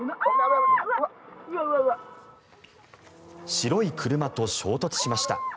白い車と衝突しました。